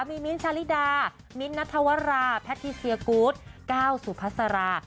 มีมิ้นท์ชาลิดามิ้นท์นัทวราแพทิเซียกูธก้าวสุพัสรา